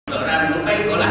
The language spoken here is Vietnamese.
rõ ràng nó bay có lợi